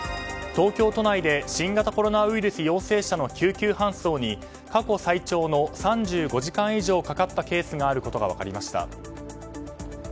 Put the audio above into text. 東京都内で新型コロナウイルス陽性者の救急搬送に過去最長の３５時間以上かかったケースがあることが分かりました。